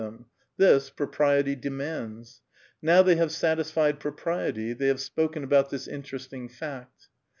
them: this, propriety demands. Now they have satisfied propriety, — tliev have siK)keu about this interesting fact.